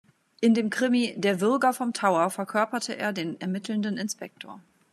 In dem Krimi "Der Würger vom Tower" verkörperte er den ermittelnden Inspektor.